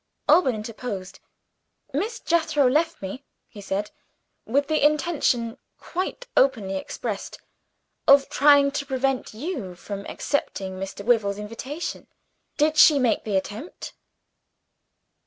Alban interposed. "Miss Jethro left me," he said, "with the intention quite openly expressed of trying to prevent you from accepting Mr. Wyvil's invitation. Did she make the attempt?"